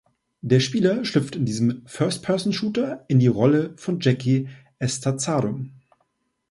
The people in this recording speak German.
Der Spieler schlüpft in diesem First Person Shooter in die Rolle von Jackie Estacado.